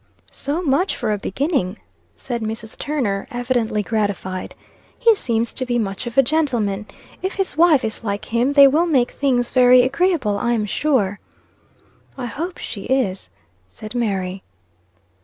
"So much for a beginning," said Mrs. Turner, evidently gratified. "He seems to be much of a gentleman. If his wife is like him, they will make things very agreeable I am sure." "I hope she is," said Mary.